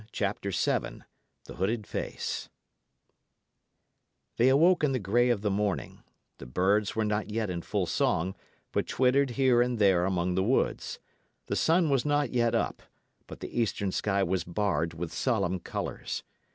CHAPTER VII THE HOODED FACE They awoke in the grey of the morning; the birds were not yet in full song, but twittered here and there among the woods; the sun was not yet up, but the eastern sky was barred with solemn colours.